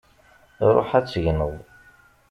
Ṛuḥ ad tegneḍ!